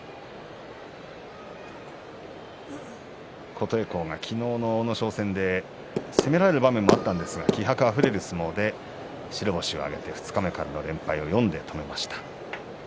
琴恵光が昨日の阿武咲戦で攻められる場面もあったんですが気迫あふれる相撲で白星を挙げて二日目からの連敗を４で止めました。